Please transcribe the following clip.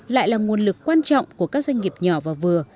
lại là nguồn lực quan trọng của các doanh nghiệp nhỏ và vừa